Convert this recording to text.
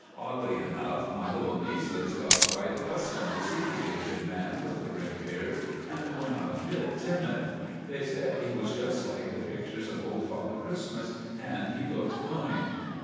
Oddly enough, my little nieces got quite accustomed to see the aged man with the grey beard, and were not a bit timid. They said he was just like the pictures of old Father Christmas, and he looked kind.